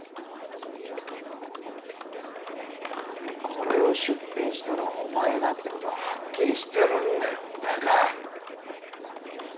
これを出品したのはお前だって事ははっきりしてるんだよ三鷹！